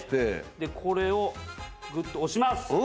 でこれをぐっと押します。